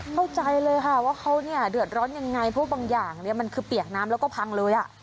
เข้าใจเลยค่ะว่าเขาเนี่ยเดือดร้อนยังไงเพราะบางอย่างเนี่ยมันคือเปียกน้ำแล้วก็พังเลย